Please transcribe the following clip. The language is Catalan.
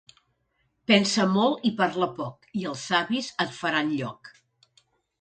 Pensa molt i parla poc i els savis et faran lloc.